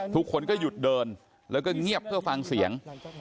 ทุกคนก็หยุดเดินแล้วก็เงียบเพื่อฟังเสียง